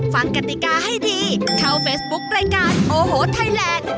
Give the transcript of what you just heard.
กติกาให้ดีเข้าเฟซบุ๊ครายการโอโหไทยแลนด์